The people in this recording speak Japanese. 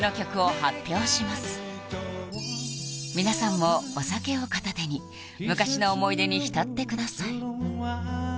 皆さんもお酒を片手に昔の思い出に浸ってください